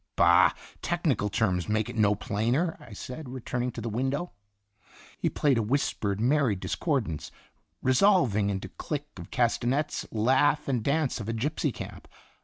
"Bah! Technical terms make it no plainer," I said, returning to the window. He played a whispered, merry discordance, resolving into click of castanets, laugh, and dance of a gypsy camp.